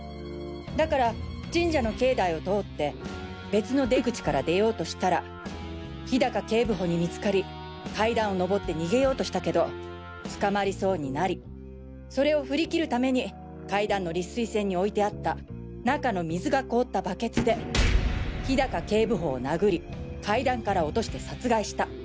だから神社の境内を通って別の出口から出ようとしたら氷高警部補に見つかり階段をのぼって逃げようとしたけど捕まりそうになりそれを振り切るために階段の立水栓に置いてあった中の水が凍ったバケツで氷高警部補を殴り階段から落として殺害した。